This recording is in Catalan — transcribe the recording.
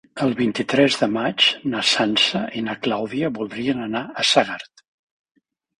El vint-i-tres de maig na Sança i na Clàudia voldrien anar a Segart.